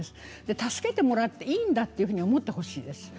助けてもらっていいんだと思ってほしいんです。